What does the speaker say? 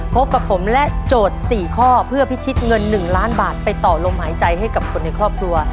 พบกับผมและโจทย์๔ข้อเพื่อพิชิตเงิน๑ล้านบาทไปต่อลมหายใจให้กับคนในครอบครัว